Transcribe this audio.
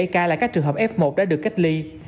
bảy mươi bảy ca là các trường hợp f một đã được cách ly